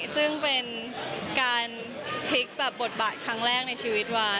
ซึ่งเป็นการพลิกแบบบทบาทครั้งแรกในชีวิตไว้